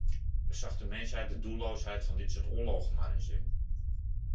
Zag de mensheid de doelloosheid van dit soort oorlogen maar eens in.